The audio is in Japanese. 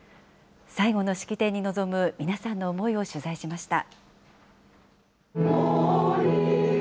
最後の式典に臨む皆さんの思いを取材しました。